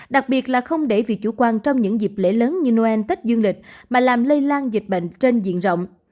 đặc biệt là không để vì chủ quan trong những dịp lễ lớn như noel tết dương lịch mà làm lây lan dịch bệnh trên diện rộng